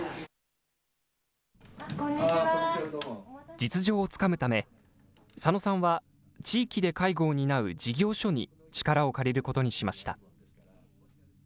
実情をつかむため、佐野さんは、地域で介護を担う事業所に力を借りることにしました。